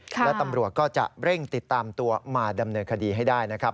และตำรวจก็จะเร่งติดตามตัวมาดำเนินคดีให้ได้นะครับ